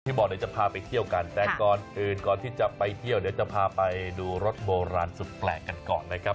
บอกเดี๋ยวจะพาไปเที่ยวกันแต่ก่อนอื่นก่อนที่จะไปเที่ยวเดี๋ยวจะพาไปดูรถโบราณสุดแปลกกันก่อนนะครับ